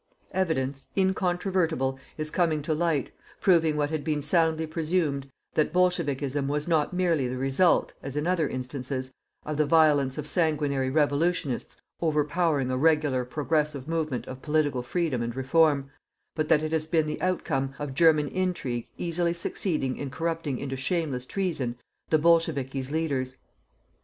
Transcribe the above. Evidence, incontrovertible, is coming to light, proving what had been soundly presumed, that "bolchevikism" was not merely the result, as in other instances, of the violence of sanguinary revolutionists overpowering a regular progressive movement of political freedom and reform, but that it has been the outcome of German intrigue easily succeeding in corrupting into shameless treason the "bolchevikis" leaders.